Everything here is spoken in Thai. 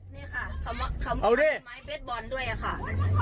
เนี่ยค่ะเขามีอาวุธไม้เบสบอลด้วยอ่ะค่ะ